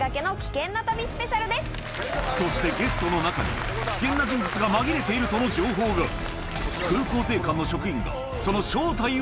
そしてゲストの中に危険な人物が紛れているとの情報がおっ。